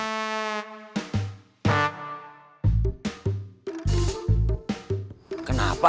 jadi bapak mau ngapain